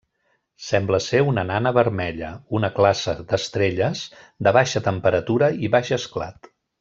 Sembla ser una nana vermella, una classe d'estrelles de baixa temperatura i baix esclat.